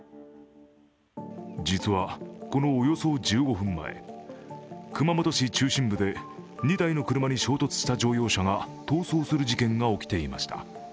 実はこのおよそ１５分前、熊本市中心部で２台の車に衝突した乗用車が逃走する事件が起きていました。